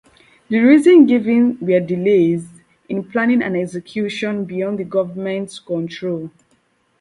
The reason given were delays in planning and execution beyond the government's control.